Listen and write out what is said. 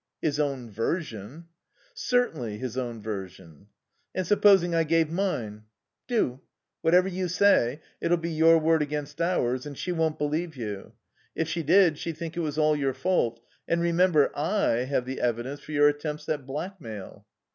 "His own version." "Certainly, his own version." "And supposing I gave mine?" "Do. Whatever you say it'll be your word against ours and she won't believe you. If she did she'd think it was all your fault.... And remember, I have the evidence for your attempts at blackmail.